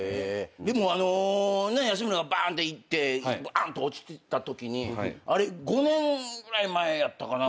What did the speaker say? でも安村がばんっていってばんって落ちてたときにあれ５年ぐらい前やったかな？